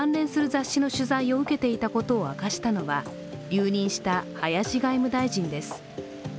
雑誌の取材を受けていたことを明かしたのは留任した林外務大臣です。